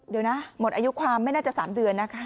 เดี๋ยวนะหมดอายุความไม่น่าจะ๓เดือนนะคะ